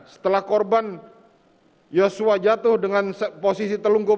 setelah korban yosua jatuh dengan posisi telungkup